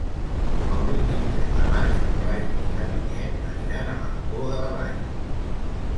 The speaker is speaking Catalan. El vint-i-tres de maig en Blai i na Vinyet aniran a Mancor de la Vall.